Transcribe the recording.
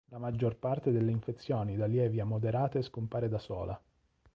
La maggior parte delle infezioni da lievi a moderate scompare da sola.